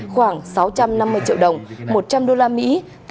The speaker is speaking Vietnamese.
khoảng sáu trăm năm mươi triệu đồng một trăm linh đô la mỹ